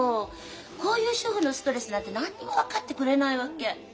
こういう主婦のストレスなんて何にも分かってくれないわけ。